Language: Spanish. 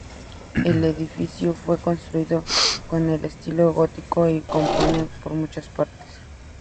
El edificio fue construido en el estilo gótico y se compone de muchas partes.